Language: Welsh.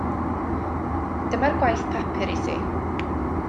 Dyma'r gwaith papur i ti.